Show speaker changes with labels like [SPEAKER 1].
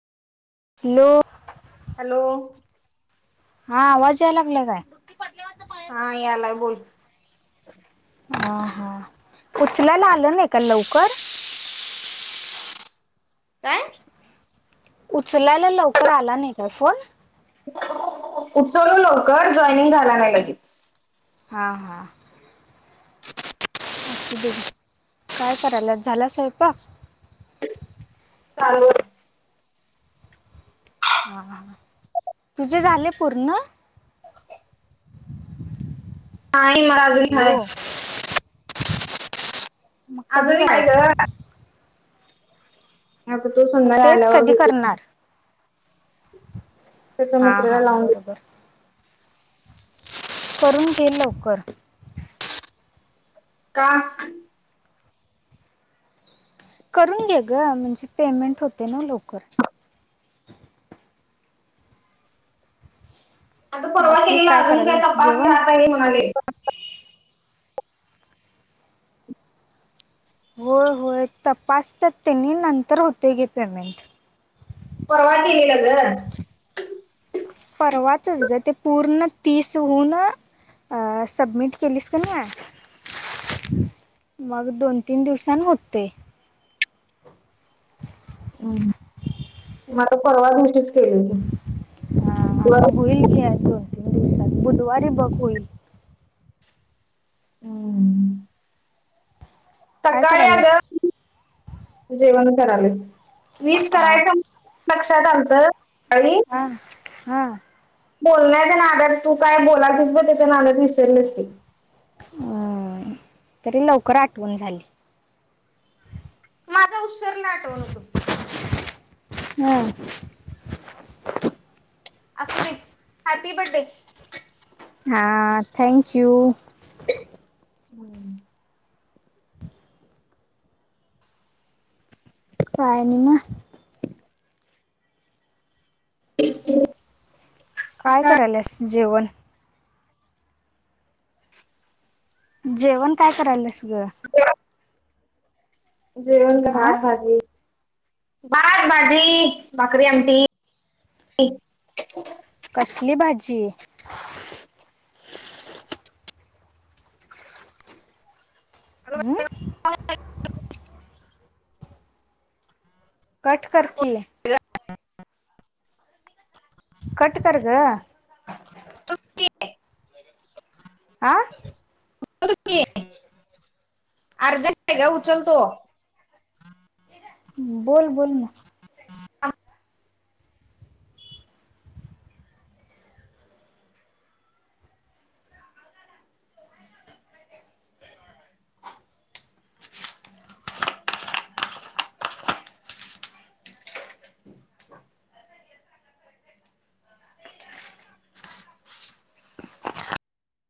[SPEAKER 1] No
[SPEAKER 2] hello!
[SPEAKER 1] हा आवाज यायला लागला काय?
[SPEAKER 2] हा यालाय बोल.
[SPEAKER 1] अ हा उचलायला आलं नाही का लवकर?
[SPEAKER 2] [inaudible] [unintelligible] काय?
[SPEAKER 1] उचलायला लवकर आला नाही काय फोन?
[SPEAKER 2] उचललो लवकर जॉईनिंग झाला नाही लगेच.
[SPEAKER 1] हा हा.
[SPEAKER 2] [inaudible]
[SPEAKER 1] असुदेे घे काय कराल्यास? झाला स्वयंपाक?
[SPEAKER 2] चालू आहे [unintelligible]
[SPEAKER 1] हा हा हा तुझे झाले पूर्ण? हॅलो
[SPEAKER 2] अग नाही ग
[SPEAKER 1] मग कधी करायचा?
[SPEAKER 2] [unintelligible] आत्ता तो
[SPEAKER 1] मग
[SPEAKER 2] संध्या
[SPEAKER 1] तेच
[SPEAKER 2] आल्यावर
[SPEAKER 1] कधी
[SPEAKER 2] घेतो
[SPEAKER 1] करणार?
[SPEAKER 2] त्याच्या
[SPEAKER 1] हा हा
[SPEAKER 2] मित्राला लावून दे
[SPEAKER 1] बरोबर. करून घे लवकर.
[SPEAKER 2] का?
[SPEAKER 1] करून घे ग म्हणजे पेमेंट होते ना लवकर.
[SPEAKER 2] आता परवा
[SPEAKER 1] बाकी
[SPEAKER 2] केलेला अजून काय
[SPEAKER 1] करायल्यास
[SPEAKER 2] तपास [unintelligible]
[SPEAKER 1] जेवण?
[SPEAKER 2] घात आहे म्हणाले
[SPEAKER 1] होय होय तपासतात त्यांनी नंतर होतय घे पेमेंट.
[SPEAKER 2] परवा केलेला ग.
[SPEAKER 1] परवाचच ग ते पूर्ण तीसहून अ सबमिट केलीस की नयी मग दोन तीन दिवसन होते. [inaudible] [unintelligible]
[SPEAKER 2] मला परवा दिवशीच केले होती मग
[SPEAKER 1] होईल घे या दोन तीन दिवसांत बुधवारी बघ होईल
[SPEAKER 2] हम्म.
[SPEAKER 1] काय करायल्यास?
[SPEAKER 2] अगं जेवण करालोय वीव
[SPEAKER 1] हा
[SPEAKER 2] करायचं लक्षात आलंत सकाळी आणि
[SPEAKER 1] हां हां.
[SPEAKER 2] बोलण्याच्या नादात तू काय बोलालतीस बग त्याच्या नादात विसरलेच मी.
[SPEAKER 1] अं तरी लवकर आठवून झाली.
[SPEAKER 2] माझा उत्सर्ण [unintelligible] आठवण होतो.
[SPEAKER 1] हम.
[SPEAKER 2] असू दे हॅपी बर्डे.
[SPEAKER 1] हा थँक यू.
[SPEAKER 2] हम्म [unintelligible]
[SPEAKER 1] पाहिन म [unintelligible]
[SPEAKER 2] [unintelligible]
[SPEAKER 1] काय करायल्यास जेवण? जेवण काय करायल्यास गं?
[SPEAKER 2] जेवणका
[SPEAKER 1] आ
[SPEAKER 2] भात भाजी [unintelligible] भात, भाजी, भाकरी, आमटी.
[SPEAKER 1] कसली भाजी? मय
[SPEAKER 2] [unintelligible]
[SPEAKER 1] कट कर की.
[SPEAKER 2] [unintelligible]
[SPEAKER 1] कट कर गं.
[SPEAKER 2] [unintelligible]
[SPEAKER 1] आ
[SPEAKER 2] [unintelligible] अर्जंट आहे गं उचलतो.
[SPEAKER 1] बोल बोल ना.
[SPEAKER 2] [unintelligible]